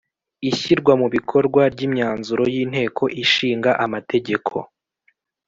ishyirwa mu bikorwa ry imyanzuro y’ inteko ishinga amategeko